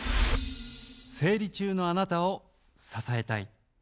「生理中のあなたを支えたい」。